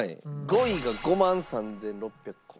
５位が５万３６００個。